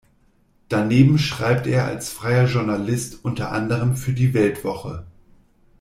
Daneben schreibt er als freier Journalist unter anderem für "Die Weltwoche".